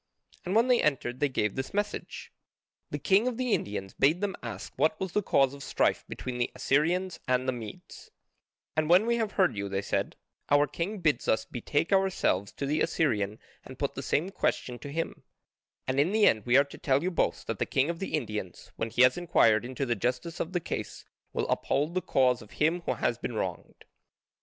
And when they entered they gave this message: The king of the Indians bade them ask what was the cause of strife between the Assyrians and the Medes, "And when we have heard you," they said, "our king bids us betake ourselves to the Assyrian and put the same question to him, and in the end we are to tell you both that the king of the Indians, when he has enquired into the justice of the case, will uphold the cause of him who has been wronged."